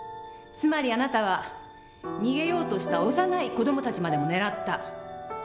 つまりあなたは逃げようとした幼い子どもたちまでも狙った！